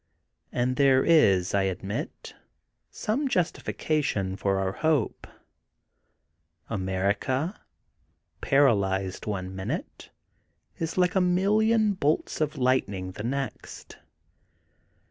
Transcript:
And there is, I admit, some justification for our hope. America, paralyzed one minute, is like a million bolts of lightning the next.